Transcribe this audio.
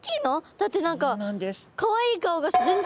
だって何か。